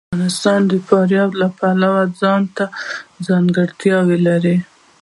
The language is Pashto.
افغانستان د فاریاب د پلوه ځانته ځانګړتیا لري.